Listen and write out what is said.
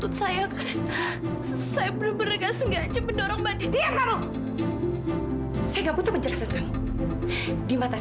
tupu berkalur jangan sampai capito seperti itu